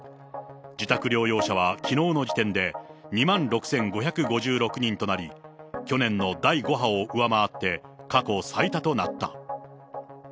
自宅療養者はきのうの時点で２万６５５６人となり、去年の第５波を上回って過去最多となった。